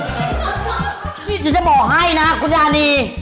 นี่ฉันจะบอกให้นะคุณยานี